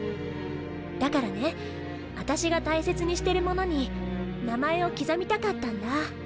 だからね私が大切にしてるものに名前を刻みたかったんだ。